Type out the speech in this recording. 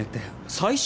「最終」？